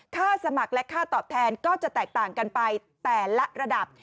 ค่าสมัครและค่าตอบแทนก็จะแตกต่างกันไปแต่ละระดับ